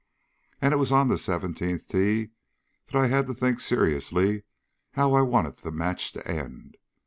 And it was on the seventeenth tee that I had to think seriously how I wanted the match to end.